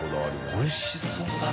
おいしそうだな。